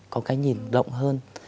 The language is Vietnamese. có cái nhìn rộng hơn